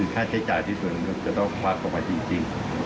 ค่าใช้จ่ายที่สุดนี่คือประมาณจริง